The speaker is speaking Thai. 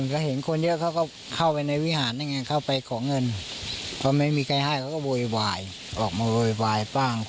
ก็บอกใครจะเอาไปไหนก็เอาไป